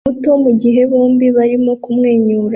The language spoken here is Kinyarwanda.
muto mugihe bombi barimo kumwenyura